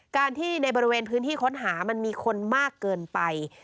การที่ในบริเวณพื้นที่ค้นหามันมีคนมากเกินไป